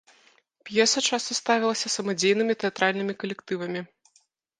П'еса часта ставілася самадзейнымі тэатральнымі калектывамі.